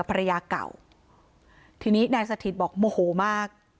ภรรยาเก่าทีนี้นายสถิตบอกโมโหมาก